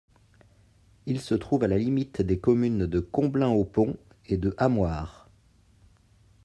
Il se trouve à la limite des communes de Comblain-au-Pont et de Hamoir.